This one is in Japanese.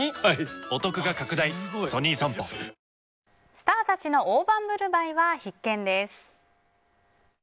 スターたちの大盤振る舞いは必見です。